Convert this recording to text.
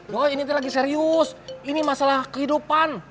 doi ini tuh lagi serius ini masalah kehidupan